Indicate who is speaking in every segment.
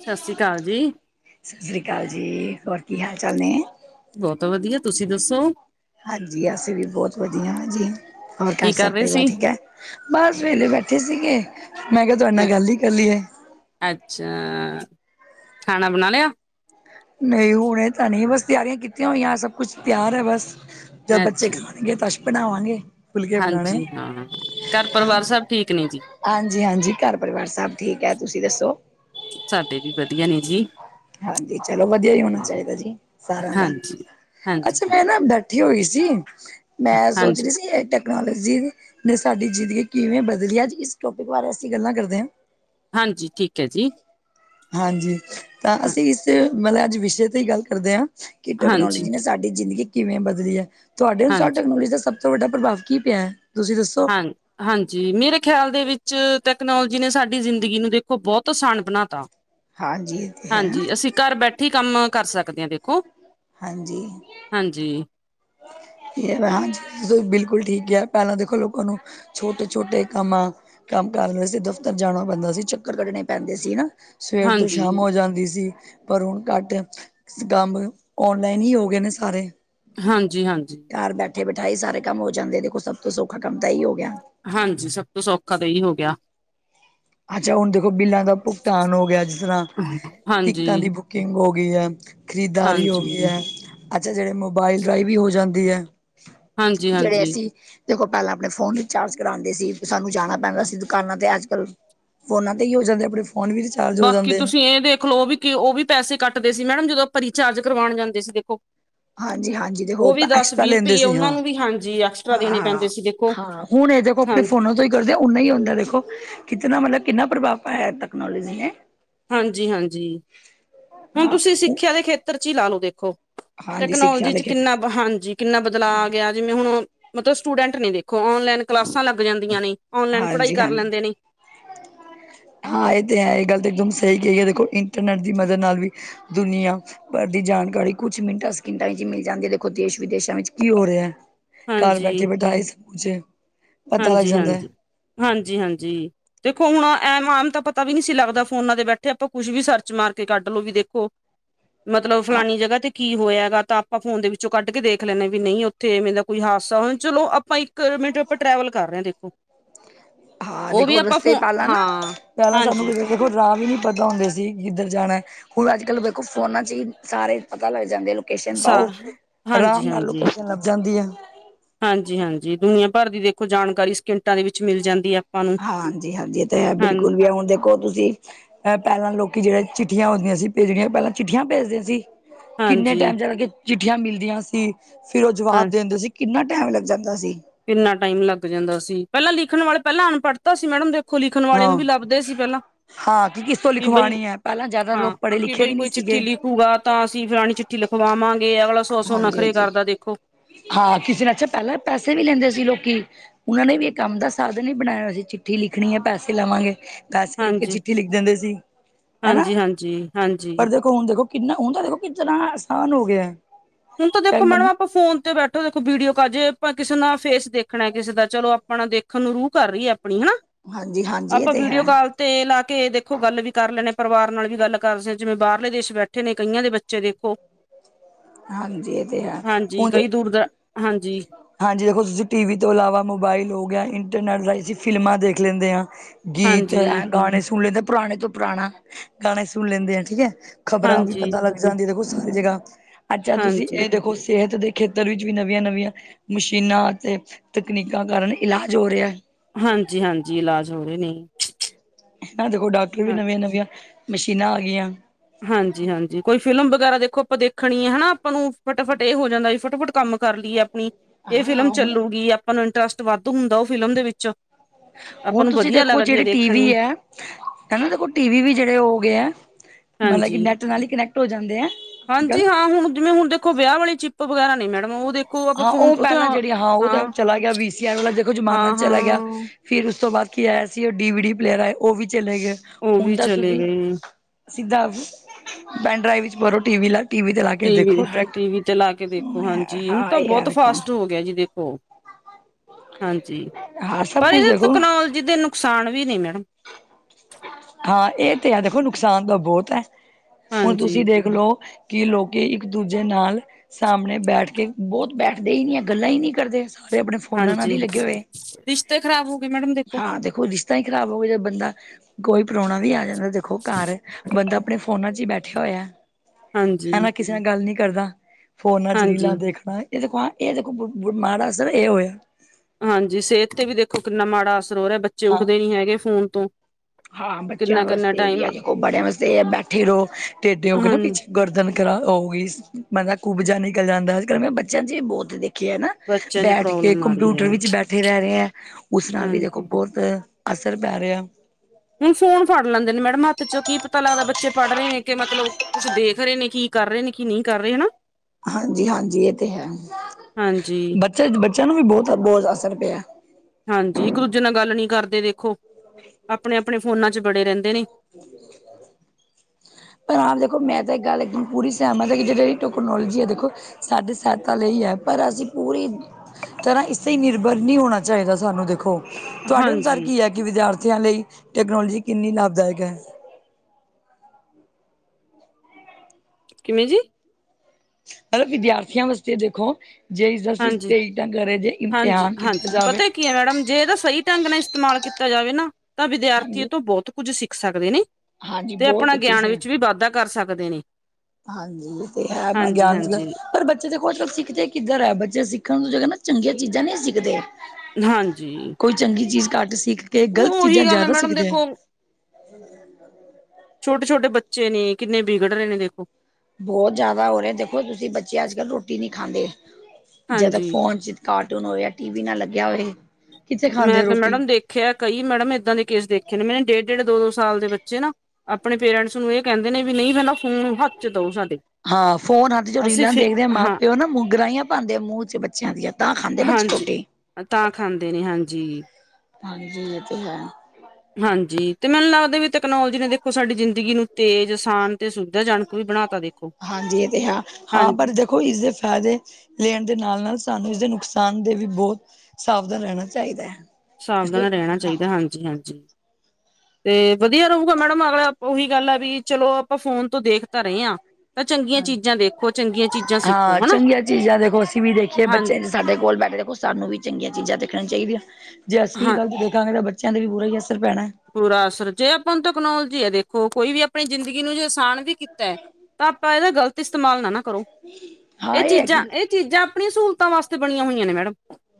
Speaker 1: ਸਤਿ ਸ੍ਰੀ ਅਕਾਲ ਜੀ,
Speaker 2: ਸਸਰੀਕਾਲ ਜੀ, ਹੋਰ ਕੀ ਹਾਲ-ਚਾਲ ਨੇ।
Speaker 1: ਬੋਤ ਵਧੀਆ ਤੁਸੀਂ ਦੱਸੋ।
Speaker 2: ਹਾਂਜੀ, ਅਸੀਂ ਵੀ ਬੋਤ ਵਧੀਆ ਹਾਂ ਜੀ, ਹੋਰ ਘਰ
Speaker 1: ਕੀ ਕਰ ਰਹੇ ਸੀ?
Speaker 2: ਪਰਿਵਾਰ ਸਭ ਠੀਕ ਆ। ਬਸ ਵੇਲੇ ਬੈਠੇ ਸੀਗੇ, ਮੈਂ ਕੇਆ ਤੁਆਡੇ
Speaker 1: ਅ
Speaker 2: ਨਾਲ ਗੱਲ ਈ ਕਰ ਲਈਏ।
Speaker 1: ਅੱਛਾ, ਖਾਣਾ ਬਣਾ ਲਿਆ।
Speaker 2: ਨਈਂ ਹੁਨੇ ਤਾਂ ਨੀਂ ਬਸ, ਤਿਆਰੀਆਂ ਕੀਤੀਆਂ ਹੋਈਆਂ। ਸਭ ਕੁਛ ਤਿਆਰ ਐ ਬਸ, ਜਦ ਬੱਚੇ ਖ
Speaker 1: ਅੱਛਾ,
Speaker 2: ਗੇ ਤਾ ਅਸ ਬਣਾਵਾਂਗੇ। ਫੁਲਕੇ ਬਣਾਉਣੇ।
Speaker 1: ਹਾਂਜੀ ਹਾਂ, ਘਰ ਪਰਿਵਾਰ ਸਭ ਠੀਕ ਨੇ ਜੀ।
Speaker 2: ਹਾਂਜੀ-ਹਾਂਜੀ, ਘਰ ਪਰਿਵਾਰ ਸਭ ਠੀਕ ਐ, ਤੁਸੀਂ ਦੱਸੋ?
Speaker 1: ਸਾਡੇ ਵੀ ਵਧੀਆ ਨੇ ਜੀ।
Speaker 2: ਹਾਂਜੀ, ਚਲੋ ਵਧੀਆ ਹੀ ਹੋਣਾ ਚਾਈਦੈ ਜੀ ਸਾਰੇਆਂ ਦਾ
Speaker 1: ਹਾਂਜੀ। ਹਾਂਜੀ,
Speaker 2: ਅੱਛਾ, ਮੈਂ
Speaker 1: ਹਾਂਜੀ,
Speaker 2: ਨਾ ਠੀ ਹੋਈ ਸੀ, ਮੈਂ ਸੋਚ ਰੀ
Speaker 1: ਹਾਂਜੀ
Speaker 2: ਸੀ ਟੈਕਨੋਲੋਜੀ ਨੇ ਸਾਡੀ ਜ਼ਿੰਦਗੀ ਕਿਵੇਂ ਬਦਲੀ, ਅੱਜ ਇਸ ਟੌਪਕ ਬਾਰੇ ਅਸੀਂ ਗੱਲਾਂ ਕਰਦੇ ਆ।
Speaker 1: ਹਾਂਜੀ ਠੀਕ ਆ ਜੀ।
Speaker 2: ਹਾਂਜੀ ਤਾਂ
Speaker 1: ਹਾਂ,
Speaker 2: ਅਸੀਂ ਇਸ ਮਤਲਬ ਅੱਜ ਵਿਸ਼ੇ ਤੇ ਹੀ ਗੱਲ ਕਰਦੇ ਹਾਂ ਕਿ
Speaker 1: ਹਾਂਜੀ,
Speaker 2: ਟੈਕਨੋਲੋਜੀ ਨੇ ਸਾਡੀ ਜ਼ਿੰਦਗੀ ਕਿਵੇਂ ਬਦਲੀ ਐ। ਤੁਆਡੇ ਅਨੁਸਾਰ
Speaker 1: ਹਾਂਜੀ,
Speaker 2: ਟੈਕਨੋਲੋਜੀ ਦਾ ਸਭ ਤੋਂ ਵੱਡਾ ਪ੍ਰਭਾਵ ਕੀ ਪਿਆ ਹੈ। ਤੁਸੀਂ ਦੱਸੋ?
Speaker 1: ਹਾਂ ਹਾਂਜੀ, ਮੇਰੇ ਖਿਆਲ ਦੇ ਵਿੱਚ ਤੈਕਨੋਲੋਜੀ ਨੇ ਸਾਡੀ ਜ਼ਿੰਦਗੀ ਨੂੰ ਦੇਖੋ ਬਹੁਤ ਆਸਾਨ ਬਣਾ ਤਾ।
Speaker 2: ਹਾਂਜੀ ਇਹ ਤੇ ਹੈ
Speaker 1: ਹਾਂਜੀ, ਅਸੀਂ ਘਰ ਬੈਠੇ ਈ ਕੰਮ ਕਰ ਸਕਦੇ ਹਾਂ ਦੇਖੋ।
Speaker 2: ਹਾਂਜੀ
Speaker 1: ਹਾਂਜੀ
Speaker 2: ਹਾਂਜੀ ਬਿਲਕੁਲ ਠੀਕ ਕਿਆ ਪਹਿਲਾਂ ਦੇਖੋ ਲੋਕਾਂ ਨੂੰ ਛੋਟੇ ਛੋਟੇ ਕੰਮਾਂ ਕੰਮ ਕਰ ਹੁੰਦਾ ਸੀ। ਦਫ਼ਤਰ ਜਾਨਾ ਪੈਂਦਾ ਸੀ ਚੱਕਰ ਕੱਢਣੇ ਪੈਂਦੇ ਸੀ ਨਾ ਸਵੇਰ ਦੀ
Speaker 1: ਹਾਂਜੀ।
Speaker 2: ਸ਼ਾਮ ਹੋ ਜਾਂਦੀ ਸੀ। ਪਰ ਹੁਨ ਘੱਟ ਸੀ ਕੰਮ ਔਨਲਾਈਨ ਈ ਹੋ ਗਏ ਨੇ ਸਾਰੇ।
Speaker 1: ਹਾਂਜੀ -ਹਾਂਜੀ।
Speaker 2: ਘਰ ਬੈਠੇ ਬੈਠਾਏ ਸਾਰੇ ਕੰਮ ਹੋ ਜਾਂਦੇ ਨੇ, ਕੁਛ ਸਭ ਤੋਂ ਸੌਖਾ ਕੰਮ ਤਾਂ ਏਹ ਹੀ ਹੋ ਗਿਆ।
Speaker 1: ਹਾਂਜੀ, ਸਭ ਤੋਂ ਸੌਖਾ ਤਾਂ ਇਹੀ ਹੋ ਗਿਆ।
Speaker 2: ਅੱਛਾ, ਹੁਨ ਦੇਖੋ ਬਿੱਲਾਂ ਦਾ ਭੁਗਤਾਨ ਹੋ ਗਿਆ ਜਿਸਰਾ, ਟਿਕਟਾਂ
Speaker 1: ਹਾਂਜੀ
Speaker 2: ਦੀ ਬੁ ਕਿੰਗ ਹੋ ਗਈ ਐ, ਖਰੀਦਦਾਰੀ ਹੋ ਗਈ
Speaker 1: ਹਾਂਜੀ
Speaker 2: ਐ ਅੱਛਾ, ਜੇੜੇ ਮੋਬਾਈਲ ਡਰਾਈਵ ਹੋ ਜਾਨ ਦੇ ਆ,
Speaker 1: ਹਾਂਜੀ
Speaker 2: ਜੇੜੇ
Speaker 1: ਹਾਂਜੀ
Speaker 2: ਅਸੀਂ ਦੇਖੋ ਪੇਲਾ ਆਪਨੇ ਫੋਨ ਰਿਚਾਰਜ ਕਰਾਂਦੇ ਸੀ, ਫਿਰ ਸਾਨੂੰ ਜਾਨਾ ਪੈਂਦਾ ਸੀ ਦੁਕਾਨਾਂ 'ਤੇ ਅੱਜ- ਕੱਲ੍ਹ ਫੋਨਾਂ ਤੇ ਹੀ ਹੋ ਜਾਂਦੇ, ਅਪਨੇ ਫੋਨ ਵੀ ਰੀ
Speaker 1: ਬਾਕੀ, ਤੁਸੀਂ ਇਹ ਦੇਖ ਲਓ ਵੀ ਕਿ ਉਹ ਵੀ ਉਹ ਵੀ ਪੈਸੇ ਕੱਟਦੇ ਸੀ ਮੈਡਮ ਜਦੋਂ ਆਪਾਂ ਰਿਚਾਰਜ ਕਰਵਾਉਣ ਜਾਂਦੇ ਸੀ ਦੇਖੋ।
Speaker 2: ਹਾਂਜੀ- ਹਾਂਜੀ, ਜੀ
Speaker 1: ਉਹ
Speaker 2: ਹੋਰ
Speaker 1: ਵੀ ਦਸ
Speaker 2: ਐਕਸਟਰਾ
Speaker 1: ਵੀਹ
Speaker 2: ਲੈਂਦੇ
Speaker 1: ਰੁਪਈਏ
Speaker 2: ਸੀ
Speaker 1: ਉਹਨਾਂ
Speaker 2: ਹਾਂ,
Speaker 1: ਨੂੰ ਵੀ ਹਾਂਜੀ ਐਕਸਟਰਾ ਦੇਣੇ
Speaker 2: ਹਾਂ-ਹਾਂ।
Speaker 1: ਪੈਂਦੇ ਸੀ ਦੇਖੋ
Speaker 2: ਹਾਂ, ਹੁਨ ਇਹ ਦੇਖੋ
Speaker 1: ਹਾਂ
Speaker 2: ਆਪਨੇ ਫੋਨਾਂ ਤੋਂ ਹੀ ਕਰਦੇ ਉਨਾ ਹੀ ਦੇਖੋ, ਕਿਤਨਾ ਮਤਲਬ ਕਿੰਨਾ ਪ੍ਰਭਾਵ ਪਾਇਆ ਤਕਨਾਲੋਜੀ ਨੇ।
Speaker 1: ਹਾਂਜੀ -ਹਾਂਜੀ, ਹੁਨ
Speaker 2: ਹਾਂ
Speaker 1: ਤੁਸੀਂ ਸਿੱਖਿਆ ਦੇ ਖੇਤਰ ਚ ਹੀ ਲਾ ਲਓ ਦੇਖੋ।
Speaker 2: ਹਾਂਜੀ ਸਿੱਖਿਆ
Speaker 1: ਤੈਕਨੋਲੋਜੀ
Speaker 2: ਦੇ
Speaker 1: ਚ
Speaker 2: ਖੇਤਰ
Speaker 1: ਕਿੰਨਾ ਬਾ ਹਾਂਜੀ। ਕਿੰਨਾ ਬਦਲਾਅ ਆ
Speaker 2: ਹਾਂਜੀ
Speaker 1: ਗਿਆ, ਜਿਵੇਂ ਹੁਨ ਮਤਲਬ ਸਟੂਡੈਂਟ ਨੂੰ ਦੇਖੋ, ਔਨਲਾਈਨ ਕਲਾਸਾਂ ਲੱਗ ਜਾਂਦੀਆਂ ਨੇ। ਔਨਲਾਈਨ ਪੜ੍ਹਾਈ
Speaker 2: ਹਾਂਜੀ-
Speaker 1: ਕਰ
Speaker 2: ਹਾਂਜੀ।
Speaker 1: ਲੈਂਦੇ ਨੇ
Speaker 2: ਹਾਂ ਇਹ ਤੇ ਹੈ ਇਹ ਗੱਲ ਤਾਂ ਇੱਕਦਮ ਸਹੀ ਕਹੀ ਹੈ, ਦੇਖੋ ਇੰਟਰਨੈਟ ਦੀ ਮਦਦ ਨਾਲ ਵੀ ਦੁਨੀਆਂ ਭਰ ਦੀ ਜਾਨਕਾਰੀ ਕੁਛ ਮਿੰਟਾਂ ਸਕਿੰਟਾਂ ਵਿੱਚ ਮਿਲ ਜਾਂਦੀ ਹੈ, ਦੇਖੋ ਦੇਸ਼ ਵਿਦੇਸ਼ਾਂ ਵਿੱਚ ਕੀ ਹੋ ਰਿਹਾ ਐ। ਘਰ ਬੈਠੇ- ਬੈਠਾਏ ਸਭ ਕੁਛ ਏ।
Speaker 1: ਹਾਂਜੀ- ਹਾਂਜੀ, ਹਾਂਜੀ- ਹਾਂਜੀ। ਦੇਖੋ ਹੁਨ ਐਮ -ਆਮ ਤਾਂ ਪਤਾ ਵੀ ਨਹੀਂ ਸੀ ਲੱਗਦਾ ਫੋਨਾਂ ਤੇ, ਬੈਠੇ ਆਪਾਂ ਕੁਛ ਵੀ ਸਰਚ ਮਾਰ ਕੇ ਕੱਢ ਲਓ ਵੀ ਦੇਖੋ। ਮਤਲਬ
Speaker 2: ਹਾਂ
Speaker 1: ਫਲਾਨੀ ਜਗ੍ਹਾ ਤੇ ਕੀ ਹੋਇਆ ਹੈਗਾ ਤਾਂ, ਆਪਾਂ ਫੋਨ ਦੇ ਵਿੱਚੋਂ ਕੱਢ ਕੇ ਦੇਖ ਲੈਂਨੇ ਆ ਵੀ ਨਈ ਉੱਥੇ ਐਵੇਂ ਦਾ ਕੋਈ ਹਾ ਸਮਝਲੋ, ਆਪਾਂ ਇੱਕ ਮਿੰਟ ਆਪਾਂ ਟਰੈਵਲ ਕਰ ਰਹੇ ਆ ਦੇਖੋ।
Speaker 2: ਹਾਂ,
Speaker 1: ਉਹ ਵੀ
Speaker 2: ਦੇਖੋ
Speaker 1: ਆਪਾਂ
Speaker 2: ਰਸਤੇ
Speaker 1: ਫੋ
Speaker 2: ਪਾਲਾਂ ਨਾ
Speaker 1: ਹਾਂ,
Speaker 2: ਪਹਿਲਾਂ ਸਾਨੂੰ
Speaker 1: ਹਾਂਜੀ
Speaker 2: ਵੀ ਦੇਖੋ ਰਾਹ ਵੀ ਨਹੀਂ ਪਤਾ ਹੁੰਦੇ ਸੀ ਕਿੱਧਰ ਜਾਣਾ। ਹੁਨ ਅੱਜ-ਕੱਲ ਵੇਖੋ ਫੋਨਾਂ 'ਚ ਹੀ ਸਾਰੇ ਪਤਾ ਲੱਗ ਜਾਂਦੇ ਨੇ। ਕਿ ਸਿਮ
Speaker 1: ਸਾ
Speaker 2: ਪਾਓ ਆਰਾਮ ਨਾਲ
Speaker 1: ਹਾਂਜੀ-ਹਾਂਜੀ।
Speaker 2: ਲੋਕੇਸ਼ਨ ਲੱਭ ਜਾਂਦੀ ਐ।
Speaker 1: ਹਾਂਜੀ-ਹਾਂਜੀ, ਦੁਨੀਆਂ ਭਰ ਦੀ ਦੇਖੋ ਜਾਣਕਾਰੀ ਸਕਿੰਟਾਂ ਦੇ ਵਿੱਚ ਮਿਲ ਜਾਂਦੀ ਆ।
Speaker 2: ਹਾਂਜੀ-ਹਾਂਜੀ, ਤੇ ਹੈ ਬਿਲਕੁਲ ਵੀ ਹੁਣ ਦੇਖੋ ਦੇਖੋ ਤੁਸੀਂ ਅਹ ਪਹਿਲਾਂ ਲੋਕੀ ਜੇੜੇ ਚਿੱਠੀਆਂ ਹੁੰਦੀਆਂ ਸੀ ਭੇਜਣੀਆਂ ਪਹਿਲਾਂ ਚਿੱਠੀਆਂ ਭੇਜਦੇ ਸੀ। ਕਿੰਨੇ
Speaker 1: ਹਾਂਜੀ,
Speaker 2: ਟਾਈਮ ਚਲ ਕੇ ਚਿੱਠੀਆਂ ਮਿਲਦੀਆਂ ਸੀ, ਫੇਰ ਓਹ
Speaker 1: ਹਾਂ
Speaker 2: ਜਵਾਬ ਦਿੰਦੇ ਸੀ। ਕਿੰਨਾ ਟਾਈਮ ਲੱਗ ਜਾਂਦਾ ਸੀ‌।
Speaker 1: ਕਿੰਨਾ ਟਾਈਮ ਲੱਗ ਜਾਂਦਾ ਸੀ ਪੈਲਾਂ ਲਿਖਣ ਵਾਲੇ ਪੈਲਾਂ ਅਨਪੜਤਾ ਸੀ ਮੈਡਮ ਦੇ ਖੋ ਲਿਖਣ ਵਾਲੇ
Speaker 2: ਹਾਂ
Speaker 1: ਨੂੰ ਵੀ ਲੱਭਦੇ ਸੀ ਪੈਲਾਂ।
Speaker 2: ਹਾਂ ਕਿ ਕਿਸ ਤੋਂ ਲਿਖਵਾਣੀ ਐ ਪੈਲਾਂ ਜਿਆਦਾ ਲੋਕ ਪੜੇ ਲਿਖੇ ਵੀ ਨੀ ਸੀਗੇ।
Speaker 1: ਹੂਆ ਤਾਂ ਅਸੀਂ ਫਿਲਾਣੀ ਚਿੱਠੀ ਲਿਖਵਾ ਮਾਗੇ ਅਗਲਾ ਸੌ-ਸੌ
Speaker 2: ਹਾਂਜੀ
Speaker 1: ਨਖਰੇ
Speaker 2: ਹਾਂਜੀ
Speaker 1: ਕਰਦਾ ਦੇਖੋ।
Speaker 2: ਹਾਂ ਕਿਸੇ ਨੇ ਅੱਛਾ ਪੈਲਾਂ ਪੈਸੇ ਵੀ ਲੈਂਦੇ ਸੀ ਲੋਕੀ। ਉਨਾਂ ਨੇ ਵੀ ਏ ਕੰਮ ਦਾ ਸਾਧਨ ਏ ਬਣਾਇਆ ਹੋਇਆ ਸੀ ਚਿੱਠੀ ਲਿਖਣੀ ਏ ਪੈਸੇ ਲਵਾਂਗੇ। ਪੈਸੇ ਲਿਖ ਕੇ
Speaker 1: ਹਾਂਜੀ,
Speaker 2: ਚਿੱਠੀ ਲਿਖ ਦਿੰਦੇ ਸੀ ਹਨਾ
Speaker 1: ਹਾਂਜੀ-ਹਾਂਜੀ, ਹਾਂਜੀ।
Speaker 2: ਪਰ ਹੁਣ ਦੇਖੋ ਕਿੰਨਾ ਹੁਣ ਤਾਂ ਦੇਖੋ ਕਿਤਨਾ ਆਸਾਨ ਹੋ ਗਿਆ।
Speaker 1: ਹੁਣ ਤਾਂ
Speaker 2: ਚਾਹੇ
Speaker 1: ਦੇਖੋ ਮੈਡਮ
Speaker 2: ਮੰ
Speaker 1: ਆਪਾਂ ਫ਼ੋਨ ਤੇ ਬੈ ਠੋ ਦੇਖੋ ਵੀਡੀਓ ਕਾ ਜੇ ਆਪਾਂ ਕਿਸੇ ਨਾਲ ਫੇਸ ਦੇਖਣਾ ਕਿਸੇ ਦਾ ਚਲੋ ਆਪਣਾ ਦੇ ਖਣ ਨੂੰ ਰੂ ਕਰ ਰੀ ਆ ਆਪਣੀ ਹਨਾ,
Speaker 2: ਹਾਂਜੀ ਹਾਂਜੀ ਇਹ
Speaker 1: ਆਪਾਂ
Speaker 2: ਤੇ ਹੈ
Speaker 1: ਵੀਡੀਓ ਕਾਲ ਤੇ ਲਾ ਕੇ ਦੇਖੋ ਗੱਲ ਵੀ ਕਰ ਲੈਨੇ ਆ ਪਰਿਵਾਰ ਨਾਲ ਵੀ ਗੱਲ ਕਰ ਸੇ ਜਿਵੇਂ ਬਾਰਲੇ ਦੇਸ਼ ਬੈਠੇ ਨੇ ਕਈਆਂ ਦੇ ਬੱਚੇ ਦੇਖੋ।
Speaker 2: ਹਾਂਜੀ ਏ 'ਤੇ ਹੈ
Speaker 1: ਹਾਂਜੀ
Speaker 2: ਹੁਣ ਤੇ
Speaker 1: ਕਈ ਦੂਰ ਦ ਹਾਂਜੀ
Speaker 2: ਹਾਂਜੀ ਦੇਖੋ ਤੁਸੀਂ ਟੀ ਵੀ ਤੋਂ ਇਲਾਵਾ ਮੋਬਾਇਲ ਹੋ ਗਿਆ ਇੰਟਰਨੈਟ ਰਾਈ ਅਸੀਂ ਫਿਲਮਾਂ ਦੇਖ ਲੈਂਦੇ ਆ। ਗੀਤ ਐ
Speaker 1: ਹਾਂਜੀ
Speaker 2: ਗਾਣੇ ਸੁਣ ਲੈਂਦੇ ਪੁਰਾਣੇ ਤੋਂ ਪੁਰਾਣਾ ਗਾਣੇ ਸੁਣ ਲੈਂਦੇ ਆ ਠੀਕ ਐ ਖ਼ਬਰਾਂ ਵੀ
Speaker 1: ਹਾਂਜੀ,
Speaker 2: ਪਤਾ ਲੱਗ ਜਾਂਦੀਆਂ ਦੇਖੋ ਸਾਰੀ ਜਗਾਂ ਅੱਛਾ ਤੁਸੀਂ
Speaker 1: ਹਾਂਜੀ,
Speaker 2: ਏ ਦੇਖੋ ਸਿਹਤ ਦੇ ਖੇਤਰ ਵਿੱਚ ਵੀ ਨਵੀਆਂ-ਨਵੀਆਂ ਮਸ਼ੀਨਾਂ ਤੇ ਤਕਨੀਕਾਂ ਕਾਰਨ ਇਲਾਜ ਹੋ ਰੇਆ।
Speaker 1: ਹਾਂਜੀ-ਹਾਂਜੀ ਇਲਾਜ ਹੋ ਰੇ ਨੇ।
Speaker 2: ਨਾ ਦੇਖੋ ਡਾਕਟਰ ਵੀ
Speaker 1: ਹਾਂ,
Speaker 2: ਨਵੀਆਂ-ਨਵੀਆਂ ਮਸ਼ੀਨਾਂ ਆਗੀਆਂ।
Speaker 1: ਹਾਂਜੀ-ਹਾਂਜੀ ਕੋਈ ਫਿਲਮ ਵਗੈਰਾ ਦੇਖੋ ਆਪਾਂ ਦੇਖਣੀ ਆ ਹਨਾ ਆਪਾਂ ਨੂੰ ਫਟਾਫਟ ਏ ਹੋ ਜਾਂਦਾ ਵੀ ਫਟਾਫਟ ਕੰਮ ਕਰ ਲੀਏ ਆਪਣੀ ਏ ਫਿਲਮ
Speaker 2: ਹਾਂ ਹੁਣ
Speaker 1: ਚੱਲੂਗੀ ਆਪਾਂ ਨੂੰ ਇੰਨਟਰਸਟ ਵੱਧ ਹੁੰਦਾ ਓ ਫਿਲਮ ਦੇ ਵਿੱਚ। ਆਪਾਂ
Speaker 2: ਹੁਣ
Speaker 1: ਨੂੰ
Speaker 2: ਤੁਸੀਂ
Speaker 1: ਵਧੀਆ
Speaker 2: ਦੇਖੋ
Speaker 1: ਲੱਗਦੀ
Speaker 2: ਜੇੜੇ
Speaker 1: ਹੈ
Speaker 2: ਟੀ ਵੀ
Speaker 1: ਦੇਖਣੀ।
Speaker 2: ਐ ਹਨਾ ਦੇਖੋ ਟੀ ਵੀ ਵੀ ਜੇੜੇ ਓ ਹੋਗੇ ਐ ਮਤਲਬ ਕਿ
Speaker 1: ਹਾਂਜੀ,
Speaker 2: ਨੈੱਟ ਨਾਲ ਈ ਕਨੈਕਟ ਹੋ ਜਾਂਦੇ ਐ, ਅੱਜ-ਕਲ।
Speaker 1: ਆ ਹੁਣ ਜਿਵੇਂ ਹੁਣ ਦੇ ਖੋ ਵੇਆ ਵਾਲੀ ਚਿ
Speaker 2: ਹਾਂ ਓ ਪੈਲਾਂ ਜਿਹੜੀਆਂ ਹਾਂ ਓ ਦੈਮ ਚਲਾ ਗਿਆ ਵੀ ਸੀ ਆਰ ਵਾਲਾ ਦੇਖੋ ਜਮਾਨਾ
Speaker 1: ਹਾਂ,
Speaker 2: ਚਲਾ ਗਿਆ
Speaker 1: ਹਾਂ
Speaker 2: ਫਿਰ ਉਸ ਤੋਂ ਬਾਅਦ ਕੀ ਆਇਆ ਸੀ ਓ ਡੀ ਵੀ ਡੀ ਪਲੇਅਰ ਆਏ ਓ ਵੀ ਚਲੇ ਗਏ
Speaker 1: ਉਹ
Speaker 2: ਹੁਣ
Speaker 1: ਵੀ
Speaker 2: ਤਾਂ
Speaker 1: ਚਲੇ
Speaker 2: ਸੁਦੀ
Speaker 1: ਗਏ
Speaker 2: ਸਿੱਧਾ ਪੈਨ ਡਰਾਈਵ ਵਿੱਚ ਪਰੋ ਟੀਵੀ ਲਾ ਟੀਵੀ ਦੇ ਲਾ ਕੇ
Speaker 1: ਟੀ ਵੀ ਦੇ
Speaker 2: ਦੇਖੋ ਡਾਇਰੈਕਟ
Speaker 1: ਟੀ ਵੀ ਤੇ ਲਾ ਕੇ ਦੇਖੋ ਹਾਂਜੀ ਹੁਣ
Speaker 2: ਹਾਂ
Speaker 1: ਤਾਂ
Speaker 2: ਇਹ ਹੈ
Speaker 1: ਬੋਤ
Speaker 2: ਦੇਖੋ
Speaker 1: ਫਾਸਟ ਹੋ ਗਿਆ ਜੀ ਦੇਖੋ। ਹਾਂਜੀ,
Speaker 2: ਹਾਂ ਸਭ
Speaker 1: ਪਰ
Speaker 2: ਕੁਛ
Speaker 1: ਏਦੇ
Speaker 2: ਦੇਖੋ
Speaker 1: ਤਕਨੋਲਜੀ ਦੇ ਨੁਕਸਾਨ ਵੀ ਨੇ ਮੈਂਡਮ।
Speaker 2: ਹਾਂ ਏ ਤੇ ਹੈ ਦੇਖੋ ਨੁਕਸਾਨ ਤਾਂ ਬੋਤ ਐ, ਹੁਣ
Speaker 1: ਹਾਂਜੀ
Speaker 2: ਤੁਸੀਂ ਦੇਖ ਲੋ ਕੀ ਲੋਕੀ ਇੱਕ-ਦੂਜੇ ਨਾਲ ਸਾਹਮਣੇ ਬੈਠ ਕੇ ਬੋਤ ਬੈਠਦੇ ਈ ਨੀ ਐ ਗੱਲਾਂ ਏ ਨੀ ਕਰਦੇ। ਦੇ ਆਪਣੇ ਫੋਨਾਂ ਨਾਲ ਈ
Speaker 1: ਹਾਂਜੀ
Speaker 2: ਲੱਗੇ ਹੋਏ,
Speaker 1: ਰਿਸ਼ਤੇ ਖ਼ਰਾਬ ਹੋ ਗਏ ਮੈਡਮ
Speaker 2: ਹਾਂ ਦੇਖੋ ਰਿਸ਼ ਤਾ ਈ ਖਰਾਬ ਹੋਏ ਜ ਬੰਦਾ ਕੋਈ ਪਰੋਣਾ ਵੀ ਆ ਜਾਂਦਾ ਦੇਖੋ ਘਰ ਬੰਦਾ ਆਪਣੇ ਫੋਨਾਂ 'ਚ ਈ ਬੈ ਠਿਆ ਹੋਇਆ,
Speaker 1: ਹਾਂਜੀ
Speaker 2: ਹਨਾ ਕਿਸੇ ਨਾਲ ਗੱਲ ਨੀ ਕਰਦਾ ਫ਼ੋਨਾਂ 'ਚ ਰੀਲਾਂ
Speaker 1: ਹਾਂਜੀ
Speaker 2: ਦੇਖਣਾ ਏ ਦੇਖੋ ਆ ਏ ਦੇਖੋ ਬ ਮਾੜਾ ਅਸਰ ਏ ਹੋਇਆ।
Speaker 1: ਹਾਂਜੀ ਸੇਅਤ ਤੇ ਵੀ ਦੇਖੋ ਕਿੰਨਾ ਮਾੜਾ ਅਸਰ ਹੋ ਰੇਆ ਬੱਚੇ
Speaker 2: ਹਾਂ
Speaker 1: ਉੱਠਦੇ ਨੀ ਹੈਗੇ ਫ਼ੋਨ ਤੋਂ।
Speaker 2: ਹਾਂ ਬੱਚਿਆਂ
Speaker 1: ਕਿੰਨਾ ਕਿੰਨਾ
Speaker 2: ਵਾਸਤੇ ਏ ਵੀ
Speaker 1: ਟਾਈਮ
Speaker 2: ਐ ਦੇਖੋ ਬੜਿਆਂ ਵਾਸਤੇ ਬੈਠੇ ਰੋ ਟੇਡੇ ਹੋ ਕੇ
Speaker 1: ਹਾਂ
Speaker 2: ਨਾ ਪਿੱਛ ਗਰਦਨ ਖਰਾ ਹੋਗੀ ਮਗਰ ਕੁਬ ਜਾ ਨਿਕਲ ਜਾਦਾਂ ਅੱਜ-ਕੱਲ ਬੱਚਿਆਂ 'ਚ ਏ ਬੋਤ ਏ ਦੇ ਖਿਆ ਨਾ
Speaker 1: ਬੱਚਿਆਂ ਚ
Speaker 2: ਬੈਠ ਕੇ
Speaker 1: ਪ੍ਰੋਬਲਮ ਆ ਰਹੀ
Speaker 2: ਕੰਪਿਊਟਰ
Speaker 1: ਹੈ
Speaker 2: ਵਿੱਚ ਬੈਠੇ ਰੈ ਰੇ ਐ ਉਸ ਨਾਲ ਵੀ ਦੇਖੋ
Speaker 1: ਹਾਂਜੀ
Speaker 2: ਬੋ ਤ ਅਸਰ ਪੈ ਰੇਆ।
Speaker 1: ਹੁਣ ਫ਼ੋਨ ਫੜ ਲੈਂਦੇ ਨੇ ਮੈਡਮ ਹੱਥ 'ਚ ਕੀ ਪਤਾ ਲੱਗਦਾ ਬੱਚੇ ਪੜ ਰੇ ਨੇ ਕੇ ਮਤਲਬ ਕੁੱਛ ਦੇਖ ਰੇ ਨੇ, ਕੀ ਕਰ ਰੇ ਨੇ, ਕੀ ਨਈ ਕਰ ਰੇ ਹਨਾ।
Speaker 2: ਹਾਂਜੀ-ਹਾਂਜੀ ਏ ਤੇ ਹੈ
Speaker 1: ਹਾਂਜੀ
Speaker 2: ਬੱਚੇ ਬੱਚਿਆਂ ਨੂੰ ਵੀ ਬੋਤ, ਬੋਤ ਅਸਰ ਪਿਆ।
Speaker 1: ਹਾਂਜੀ, ਇੱਕ ਦੂਜੇ ਨਾਲ ਗੱਲ ਨੀ ਕਰਦੇ ਵੇਖੋ ਅਪਨੇ-ਅਪਨੇ ਫੋਨਾਂ ਚ ਬੜੇ ਰੈਂਦੇ ਨੇ।
Speaker 2: [inaudible] ਪਰ ਆਪ ਦੇਖੋ ਮੈਂ ਤਾਂ ਇੱਕ ਗੱਲ ਪੂਰੀ ਸੈਮਤ ਆ ਜੇੜੀ ਟੋਕਨੋਲੋਜੀ ਆ ਦੇਖੋ ਸਾਡੀੇ ਸ੍ਹਾਇਤਾ ਲਈ ਐ ਪਰ ਅਸੀਂ ਪੂਰੀ ਤਰਾਂ ਇਸ ਤੇ ਈ ਨਿਰਬਰ ਨਈ ਹੋਨਾ ਚਾਈਦਾ ਸਾਨੂੰ ਦੇਖੋ ਤੁਆਡੇ ਅਨੁਸਾਰ
Speaker 1: ਹਾਂਜੀ
Speaker 2: ਕੀ ਆ ਕਿ ਵਿਦਿਆਰਥੀਆਂ ਲਈ ਟੈਕਨੋਲੋਜੀ ਕਿੰਨੀ ਲਾਬਦਾਇਕ ਐ।
Speaker 1: ਕਿਵੇਂ ਜੀ?
Speaker 2: ਮਤਲ ਵਦਿਆਰਥੀਆ ਵਾਸਤੇ ਦੇਖੋ ਜੇ ਇਸਦਾ ਅਸੀਂ
Speaker 1: ਹਾਂਜੀ
Speaker 2: ਸਈ ਢੰਗ ਕਰੇ, ਜੇ
Speaker 1: ਹਾਂਜੀ
Speaker 2: ਇਮਤਿਹਾਨ ਕੀਤਾ
Speaker 1: ਹਾਂਜੀ
Speaker 2: ਜਾਵੇ
Speaker 1: ਪਤਾ ਕੀ ਆ ਮੈਡਮ ਜੇ ਏਦਾ ਸਈ ਢੰਗ ਨਾਲ ਇਸਤੇਮਾਲ ਕੀਤਾ ਜਾਵੇ ਨਾ ਤਾਂ ਵਿਦਿਆਰਥੀ ਏ
Speaker 2: ਹਾਂਜੀ
Speaker 1: ਤੋਂ ਬੋਤ ਕੁੱਜ ਸਿੱਖ ਸਕਦੇ ਨੇ
Speaker 2: ਹਾਂਜੀ
Speaker 1: ਤੇ
Speaker 2: ਬਹੁਤ
Speaker 1: ਅਪਨਾ
Speaker 2: ਕੁਛ ਇਸ
Speaker 1: ਗਿਆਨ ਵਿੱਚ ਵੀ ਵਾਧਾ ਕਰ ਸਕਦੇ ਨੇ।
Speaker 2: ਹਾਂਜੀ ਏ ਤੇ ਹੈ ਅਪਨਾ
Speaker 1: ਹਾਂਜੀ
Speaker 2: ਗਿਆਨ
Speaker 1: ਹਾਂਜੀ
Speaker 2: ਪਰ ਬ ਚੇ ਦੇਖੋ ਆੱਜਕੱਲ ਸਿੱਖਦੇ ਕਿੱਦਰ ਐ, ਬੱਚੇ ਸਿੱਖਣ ਜੇ ਨਾ ਚੰਗੀਆਂ ਚੀਜ਼ਾਂ ਨਈ ਸਿੱਖਦੇ।
Speaker 1: ਹਾਂਜੀ।
Speaker 2: ਕੋਈ ਚੰਗੀ ਚੀਜ਼ ਘੱਟ ਸਿੱਖ ਕੇ
Speaker 1: ਉਹ
Speaker 2: ਗਲਤ
Speaker 1: ਉਹੀ
Speaker 2: ਚੀਜ਼ਾਂ
Speaker 1: ਗੱਲ ਹੈ
Speaker 2: ਜੈਦਾ
Speaker 1: ਮੈਡਮ
Speaker 2: ਸਿੱਖਦੇ ਆ।
Speaker 1: ਦੇਖੋ ਛੋਟੇ-ਛੋਟੇ ਬੱਚੇ ਨੇ ਕਿੰਨੇ ਵਿਗੜ ਰਏ ਨੇ ਦੇਖੋ।
Speaker 2: ਬੋਤ ਜੈਦਾ ਹੋ ਰਿਆ ਦੇਖੋ ਤੁਸੀਂ ਬੱਚੇ ਆੱਜ-ਕੱਲ ਰੋਟੀ ਨੀ ਖਾਂਦੇ ਜਦੋ
Speaker 1: ਹਾਂਜੀ
Speaker 2: ਫੋਨ ਚ ਕਾਰਟੂਨ ਹੋਇਆ ਟੀ ਵੀ ਨਾ ਲੱਗਿਆ ਹੋਏ
Speaker 1: ਮੈਂ ਤਾ ਮੈਡਮ ਦੇਖਿਆ ਕਈ ਮੈਡਮ ਏਦਾਂ ਦੇ ਕੇਸ ਦੇਖੇ ਨੇ ਮੈਨੇ ਡੇਢ-ਡੇਢ, ਦੋ-ਦੋ ਸਾਲ ਦੇ ਬੱਚੇ ਨਾ ਅਪਨੇ ਪੇਰੈਂਟਸ ਨੂੰ ਏ ਕੈਂਦੇ ਨੇ ਵੀ ਨਈ ਪੈਲਾ ਫੋਨ ਹੱਥ ਚ ਦਓ ਸਾਡੇ।
Speaker 2: ਹਾਂ, ਫੋਨ ਹੱਥ ਜੋ
Speaker 1: ਅਸੀਂ
Speaker 2: ਰੀਲਾਂ
Speaker 1: ਫੇ
Speaker 2: ਦੇਖਦੇਆ
Speaker 1: ਹਾਂ
Speaker 2: ਮਾਂ-ਪਿਓ ਨਾ ਮੁ ਗਰਾਈਆਂ ਪਾਂਦੇ ਆ ਮੂੰਹ ਚ ਬੱਚਿਆਂ ਦੀਆਂ ਤਾਂ ਖਾਂਦੇ ਬੱਚੇ
Speaker 1: ਹਾਂਜੀ
Speaker 2: ਰੋਟੀ।
Speaker 1: ਤਾਂ ਖਾਂਦੇ ਨੇ ਹਾਂਜੀ।
Speaker 2: ਹਾਜੀ ਏ ਤੇ ਹੈ।
Speaker 1: ਹਾਂਜੀ ਤੇ ਮੈਨੂੰ ਲੱਗਦਾ ਵੀ ਤੈਕਨੋਲੋਜੀ ਨੇ ਦੇਖੋ ਸਾਡੀ ਜ਼ਿੰਦਗੀ ਨੂੰ ਤੇਜ਼, ਆਸਾਨ ਤੇ ਸੁਵਿਧਾਜਨਕ ਵੀ ਬਣਾ ਤਾ ਦੇਖੋ।
Speaker 2: ਹਾਂਜੀ ਏ ਤੇ ਹੈ। ਹਾਂ ਪਰ ਦੇਖੋ ਇਸਦੇ ਫੈਦੇ ਲੈਣ ਦੇ ਨਾਲ-ਨਾਲ ਸਾਨੂੰ ਇਸਦੇ ਨੁਕਸਾਨ ਦੇ ਵੀ ਬੋਤ ਸਾਵਧਾਨ ਰੈਣਾ ਚਾਈਦਾ ਐ।
Speaker 1: ਸਾਵਧਾਨ ਰੈਣਾ ਚਾਈਦਾ ਹਾਂਜੀ-ਹਾਂਜੀ।
Speaker 2: [inaudible]
Speaker 1: ਤੇ ਵਦੀਆ ਰਊਗਾ ਮੈਡਮ ਅਗਲਾ ਓਹੀ ਗੱਲ ਆ ਵੀ ਚਲੋ ਆਪਾਂ ਫੋਨ ਤੋਂ ਦੇਖ ਤਾਂ ਰੇ ਆ। ਤਾਂ ਚੰਗੀਆਂ
Speaker 2: ਹਾਂ
Speaker 1: ਚੀਜ਼ਾਂ ਦੇਖੋ, ਚੰਗੀਆਂ ਚੀਜ਼ਾਂ ਸਿੱਖੋ
Speaker 2: ਹਾਂ
Speaker 1: ਹੈਨਾ
Speaker 2: ਚੰਗੀਆਂ ਚੀਜ਼ਾਂ ਦੇਖੋ ਅਸੀਂ ਵੀ ਦੇਖੀਏ
Speaker 1: ਹਾਂ
Speaker 2: ਬੱਚੇ ਸਾਡੇ ਕੋਲ ਬੈਠੇ ਦੇਖੋ ਸਾਨੂੰ ਵੀ ਚੰਗੀਆਂ ਚੀਜ਼ਾਂ ਦੇਖਣੀਆਂ ਚਾਈਦੀਆਂ, ਜੇ ਅਸੀਂ
Speaker 1: ਹਾਂ।
Speaker 2: ਗੱਲਤ ਦੇਖਾਂਗੇ ਤਾਂ ਬੱ ਚਿਆਂ ਤੇ ਵੀ ਬੁਰਾ ਈ ਅਸਰ ਪੈਣਾ।
Speaker 1: ਪੂਰਾ ਅਸਰ ਜੇ ਆਪਾਂ ਨੂੰ ਤਕਨੋਲੋਜੀ ਐ ਦੇਖੋ ਕੋਈ ਵੀ ਅਪਣੀਂ ਜ਼ਿੰਦਗੀ ਨੂੰ ਜੇ ਅਸਾਨ ਵੀ ਕੀ ਤੈ ਤਾਂ ਆਪਾਂ ਐਦਾ ਗ਼ਲਤ ਇਸਤੇਮਾਲ ਨਾ-ਨਾ ਕਰੋ।
Speaker 2: ਹਾਂ
Speaker 1: ਏ
Speaker 2: ਇਹ ਹੈ ਕਿ
Speaker 1: ਚੀਜ਼ਾਂ ਏ ਚੀਜ਼ਾਂ ਅਪਣੀਆਂ ਸ੍ਹੂਲਤਾਂ ਵਾਸਤੇ ਬਣੀਆਂ ਹੋਈਆਂ ਨੇ ਮੈਡਮ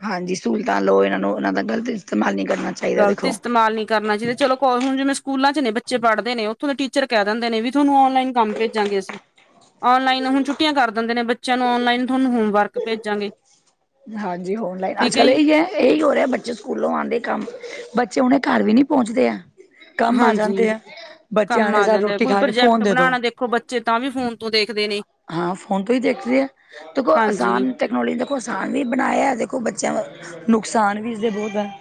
Speaker 2: ਹਾਂਜੀ ਸ੍ਹੂਲਤਾਂ ਲਓ ਐਨਾਂ ਨੂੰ ਐਨਾਂ ਦਾ ਗਲਤ ਇਸਤੇਮਾਲ ਨੀ ਕਰਨਾ ਚਾਹੀਦਾ
Speaker 1: ਗਲਤ
Speaker 2: ਦੇਖੋ
Speaker 1: ਇਸਤੇਮਾਲ ਨੀ ਕਰਨਾ ਚਾਈਦਾ ਚਲੋ ਕੋ ਹੁਣ ਜਿਵੇਂ ਸਕੂਲਾਂ ਚ ਨੇ ਬੱਚੇ ਪੜਦੇ ਨੇ ਓੱਥੋਂ ਦੇ ਟੀਚਰ ਕੈ ਦਿੰਦੇ ਨੇ ਵੀ ਤੁਆਨੂੰ ਓਨਲਾਈਨ ਕੰਮ ਭੇਜਾਂਗੇ ਅਸੀਂ ਓਨਲਾਈਨ ਹੁਣ ਛੁੱਟੀਆਂ ਕਰ ਦਿੰਦੇ ਨੇ ਬੱਚਿਆਂ ਨੂੰ ਓਨਲਾਈਨ ਤੁਆਨੂੰ ਹੁ
Speaker 2: ਹਾਂਜੀ ਓਨਲਾਈਨ
Speaker 1: ਠੀਕ
Speaker 2: ਆੱਜ-ਕੱਲ
Speaker 1: ਜੀ
Speaker 2: ਏਹੀ ਹੈ ਏਹੀ ਹੋ ਰਿਆ ਬੱਚੇ ਸਕੂਲੋਂ ਆਂਦੇ ਕੰਮ ਬੱਚੇ ਹੁਣੇ ਘਰ ਵੀ ਨੀ ਪੋਂਚਦੇ ਆ ਕੰਮ ਆ
Speaker 1: ਹਾਂਜੀ
Speaker 2: ਜਾਂਦੇ ਆ ਬੱਚਿਆਂ
Speaker 1: ਕੰਮ
Speaker 2: ਦੇ
Speaker 1: ਆ
Speaker 2: ਸਾਨੂੰ
Speaker 1: ਜਾਂਦਾ
Speaker 2: ਰੋਟੀ
Speaker 1: ਕੋਈ
Speaker 2: ਖਾ ਕੇ ਫੋਨ
Speaker 1: ਪ੍ਰੋਜੈਕਟ
Speaker 2: ਦੇ ਦੋ।
Speaker 1: ਬਣਾਉਣਾ ਦੇਖੋ ਬੱਚੇ ਤਾ ਵੀ ਫੋਨ ਤੋਂ ਦੇਖਦੇ ਨੇ
Speaker 2: ਹਾਂ ਫੋਨ ਤੋਂ ਈ ਦੇਖਦੇ ਐ ਦੇਖੋ
Speaker 1: ਹਾਂਜੀ
Speaker 2: ਆਸਾਨ ਤ ਤਕਨੋਲਜੀ ਦੇਖੋ ਆਸਾਨ ਵੀ ਬਣਾਇਆ। ਦੇਖੋ ਬੱਚਿਆਂ ਦਾ ਨੁਕਸਾਨ ਵੀ ਇਸਦੇ ਬਹੁਤ ਹੈ।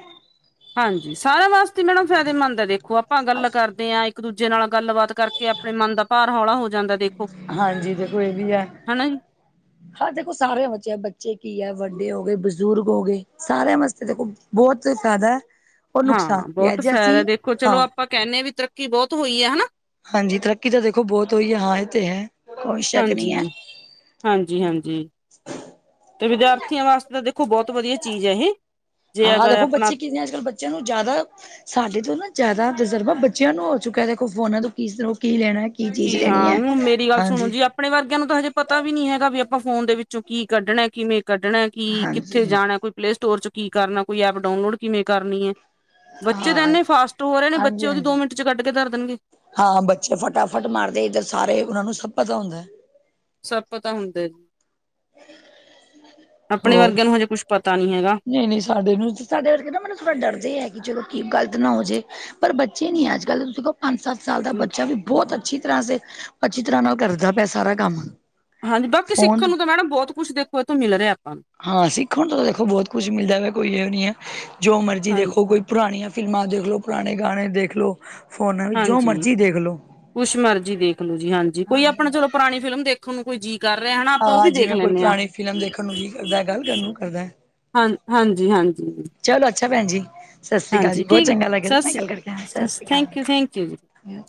Speaker 1: ਹਾਂਜੀ ਸਾਰਿਆਂ ਵਾਸਤੇ ਮੈਡਮ ਫ਼ਾਇਦੇਮੰਦ ਹੈ। ਦੇਖੋ ਆਪਾਂ ਗੱਲ ਕਰਦੇ ਦੇ ਹ ਇੱਕ ਦੂਜੇ ਨਾਲ ਗੱਲਬਾਤ ਕਰਕੇ ਆਪਣੇ ਮਨ ਦਾ ਭਾਰ ਹੌਲਾ ਹੋ ਜਾਂਦਾ ਦੇਖੋ
Speaker 2: ਹਾਂਜੀ ਦੇਖੋ ਇਹ ਵੀ ਹੈ।
Speaker 1: ਹਨਾ ਜੀ।
Speaker 2: [inaudible] ਹਾਂ ਦੇਖੋ ਸਾਰਿਆਂ ਬੇ ਬੱਚੇ ਕੀ ਹੈ। ਵੱਡੇ ਹੋ ਗਏ, ਬਜ਼ੁਰਗ ਹੋ ਗਏ ਸਾਰਿਆਂ ਵਾਸਤੇ ਦੇਖੋ ਬਹੁਤ ਫਾਈਦਾ
Speaker 1: ਹਾਂ ਬਹੁਤ ਫਾਇਦਾ ਦੇਖੋ ਚਲੋ
Speaker 2: ਹਾਂ
Speaker 1: ਆਪਾਂ ਕਹਿੰਦੇ ਹਾਂ ਵੀ ਤਰੱਕੀ ਬਹੁਤ ਹੋਈ ਹੈ ਹਨਾ।
Speaker 2: ਹਾਂਜੀ ਤਰੱਕੀ ਤਾਂ ਦੇਖੋ ਬਹੁਤ ਹੋਈ ਹੈ ਹਾਂ ਇਹ ਤੇ ਹੈ ਕੋਈ ਸ਼ੱਕ ਨਹੀਂ ਹੈ
Speaker 1: ਹਾਂਜੀ-ਹਾਂਜੀ, ਹਾਂਜੀ ਤੇ ਵਿਦਿਆਰਥੀਆਂ ਵਾਸਤੇ ਤਾਂ ਦੇਖੋ ਬਹੁਤ ਵਧੀਆ ਚੀਜ਼ ਹੈ ਇਹ ਜੇ ਅਗਰ ਆਪਣਾ
Speaker 2: ਜਿੰਨੇ ਅੱਜੱਲ ਬ ਬੱਚਿਆਂ ਨੂੰ ਜ਼ਿਆਦਾ ਸਾਡੇ ਤੋਂ ਨਾ ਜ਼ਿਆਦਾ ਤਜ਼ਰਬਾ ਬੱਚਿਆਂ ਨੂੰ ਹੋ ਚੁੱਕਿਆ ਦੇਖੋ ਫੋਨਾ ਤੋਂ ਕੀ-ਕੀ ਲੈਣਾ।
Speaker 1: ਕੀ
Speaker 2: ਚੀਜ਼ ਲੈਣੀ
Speaker 1: ਹਾਂ
Speaker 2: ਹੈ
Speaker 1: ਹੁਣ ਮੇਰੀ ਗੱਲ ਸੁਣੋ
Speaker 2: ਹਾਂਜੀ
Speaker 1: ਜੀ। ਆਪਣੇ ਵਰਗਿਆਂ ਨੂੰ ਤਾਂ ਹਜੇ ਪਤਾ ਵੀ ਨੀ ਹੈਗਾ ਵੀ ਆਪਾਂ ਫੋਨ ਦੇ ਵਿੱਚੋਂ ਕੀ ਕੱਢਣਾ, ਕਿਵੇਂ ਕੱਢਣਾ ਕੀ
Speaker 2: ਹਾਂਜੀ
Speaker 1: ਕਿੱਥੇ
Speaker 2: ਹਾਂ
Speaker 1: ਜਾਣਾ ਕੋਈ ਪਲੇ ਸਟੋਰ ਚ ਕੀ ਕਰਨਾ। ਕੋਈ ਐਪ ਡਾਊਨਲੋਡ ਕਿਵੇਂ ਕਰਨੀ ਹੈ। ਬੱਚੇ ਤਾਂ ਇੰਨੇ
Speaker 2: ਹਾਂਜੀ
Speaker 1: ਫਾਸਟ ਹੋ ਰਹੇ ਨੇ ਬੱਚੇ ਉਹਦੀ
Speaker 2: ਹਾਂਜੀ
Speaker 1: ਦੋ ਮਿੰਟ ਚ ਕੱਢ ਕੇ ਧਰ ਦੇਣਗੇ।
Speaker 2: ਹਾਂ ਬੱਚੇ ਫਟਾਫਟ ਮਾਰਦੇ ਇੱਧਰ ਸਾਰੇ ਉਹਨਾਂ ਨੂੰ ਸਭ ਪਤਾ ਹੁੰਦਾ।
Speaker 1: ਸਭ ਪਤਾ ਹੁੰਦਾ ਜੀ। ਆਪਣੇ ਵਰਗਿਆਂ ਨੂੰ ਹਜੇ ਕੁੱਛ ਪਤਾ ਨੀ ਹੈਗਾ।
Speaker 2: ਨਹੀਂ-ਨਹੀਂ ਸਾਡੇ ਨੂੰ ਸਾਡੇ ਵਰਗੇ ਮੈਨੂੰ ਥੋੜ੍ਹਾ ਡਰਦੇ ਹੀ ਹੈ। ਕਿ ਚਲੋ ਕੀ ਗਲਤ ਨਾ ਹੋ ਜਾਏ। ਪਰ ਬੱਚੇ ਨੀ ਅੱਜ ਕੱਲ ਤੁਸੀ ਕੌ ਪੰਜ, ਸੱਤ ਸਾਲ ਦਾ ਬੱਚਾ ਵੀ ਬਹੁਤ ਅੱਛੀ ਤਰ੍ਹਾਂ ਸੇ ਅੱਛੀ ਤਰ੍ਹਾਂ ਨਾਲ ਕਰਦਾ ਪਿਆ। ਸਾਰਾ ਕੰਮ
Speaker 1: ਹਾਂਜੀ, ਬਾਕੀ
Speaker 2: ਫੋਨ
Speaker 1: ਸਿੱਖਣ ਨੂੰ ਤਾਂ ਮੈਡਮ ਬਹੁਤ ਕੁੱਛ ਦੇਖੋ। ਇੱਥੋਂ ਮਿਲ ਰਿਹਾ ਆਪਾਂ ਨੂੰ।
Speaker 2: ਹਾਂ, ਸਿੱਖਣ ਤੋਂ ਦੇਖੋ ਬਹੁਤ ਕੁਛ ਮਿਲਦਾ ਕੋਈ ਇਹ ਨੀ ਹੈ ਜੋ ਮਰਜ਼ੀ
Speaker 1: ਹਾਂਜੀ
Speaker 2: ਦੇਖੋ ਕੋਈ ਪੁਰਾਣੀਆਂ ਫਿਲਮਾਂ ਦੇਖ ਲਓ, ਪੁਰਾਣੇ ਗਾਣੇ ਦੇਖ ਲਓ।
Speaker 1: ਹਾਂਜੀ, ਕੁਛ। ਮਰਜ਼ੀ ਦੇਖਲੋ ਜੀ ਹਾਂਜੀ ਕੋਈ ਆਪਣਾ ਚਲੋ ਪੁਰਾਣੀ ਫਿਲਮ ਦੇਖੋ ਨੂੰ ਕੋਈ ਜੀ। ਕਰ ਰਹੇ ਹਨਾ ਆਪਾਂ ਉਹ
Speaker 2: ਹਾਂ
Speaker 1: ਵੀ ਦੇਖ
Speaker 2: ਜਿਵੇਂ ਕੋਈ
Speaker 1: ਲੈਂਨੇ।
Speaker 2: ਪੁਰਾਣੀ ਫਿਲਮ ਦੇਖਣ ਨੂੰ ਜੀ ਕਰਦਾ ਗੱਲ ਕਰਨ ਨੂੰ ਕਰਦਾ
Speaker 1: ਹਾਂ ਹਾਂਜੀ- ਹਾਂਜੀ।
Speaker 2: ਚਲੋ, ਅੱਛਾ। ਭੈਣ ਜੀ। ਸਤਿ ਸ੍ਰੀ ਅਕਾਲ ਜੀ
Speaker 1: ਹਾਂਜੀ
Speaker 2: ਬਹੁਤ
Speaker 1: ਠੀਕ
Speaker 2: ਚੰਗਾ ਲੱਗਿਆ
Speaker 1: ਸਤਿ
Speaker 2: ਤੁਹਣਾ
Speaker 1: ਸ੍ਰੀ
Speaker 2: ਗੱਲ ਕਰਕੇ ਸਤਿ
Speaker 1: ਸਸ
Speaker 2: ਸ੍ਰੀ
Speaker 1: ਥੈਂਕ ਯੂ ਥੈਂਕ ਯੂ ਜੀ।
Speaker 2: ਅਕਾਲ